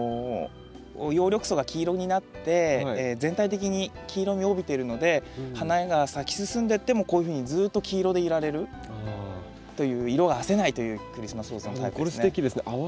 葉緑素が黄色になって全体的に黄色みを帯びているので花が咲き進んでってもこういうふうにずっと黄色でいられるという色があせないというクリスマスローズのタイプですね。